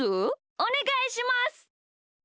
おねがいします。